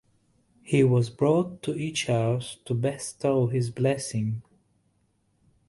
He was brought to each house to bestow his blessing.